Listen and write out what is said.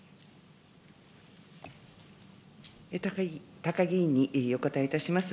高木委員にお答えいたします。